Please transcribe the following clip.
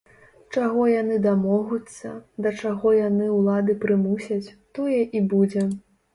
Чаго яны дамогуцца, да чаго яны ўлады прымусяць, тое і будзе.